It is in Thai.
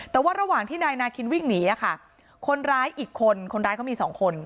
แต่ว่าระหว่างที่นายนาคินวิ่งหนีค่ะคนร้ายอีกคนคนร้ายเขามีสองคน